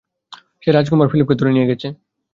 সে রাজকুমার ফিলিপকে ধরে নিয়ে গেছে।